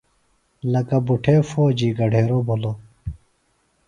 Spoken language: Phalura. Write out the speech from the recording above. لکہ بُٹھے فوجی گھڈیروۡ بِھلوۡ